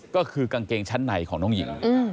ก็คือกางเกงชั้นในของน้องหญิง